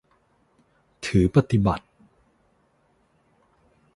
ถือปฏิบัติ